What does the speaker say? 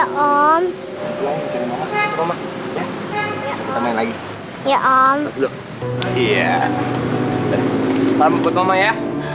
kamu udah hangat kan main pamputnya